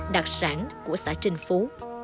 đặc sản của xã trinh phú